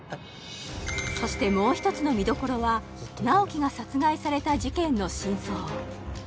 そしてもう一つの見どころは直木が殺害された事件の真相